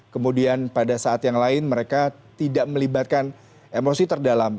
kemudian pada saat yang lain mereka tidak melibatkan emosi terdalam